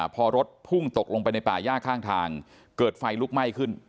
พอรถพุ่งตกลงไปในป่าย่าข้างทางเกิดไฟลุกไหม้ขึ้น